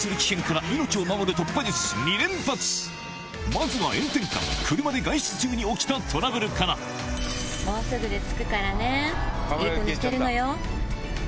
まずは炎天下車で外出中に起きたトラブルからもうすぐで着くからねいい子にしてるのよ。